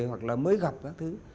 hoặc là mới gặp các thứ